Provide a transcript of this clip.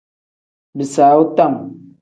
Bisaawu tam.